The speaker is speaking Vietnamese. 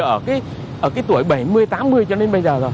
ở cái tuổi bảy mươi tám mươi cho đến bây giờ rồi